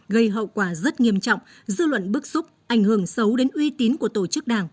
gây hậu quả rất nghiêm trọng dư luận bức xúc ảnh hưởng xấu đến uy tín của tổ chức đảng